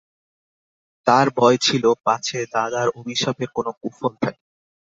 তাঁর ভয় ছিল পাছে দাদার অভিশাপের কোনো কুফল থাকে।